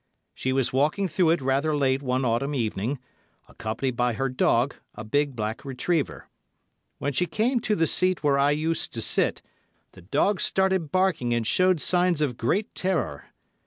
She was walking through it rather late one autumn evening, accompanied by her dog, a big black retriever. When she came to the seat where I used to sit, the dog started barking and showed signs of great terror.